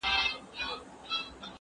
زه اجازه لرم چي لوښي وچوم؟